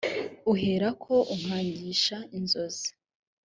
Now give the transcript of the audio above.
uherako ukankangisha inzozi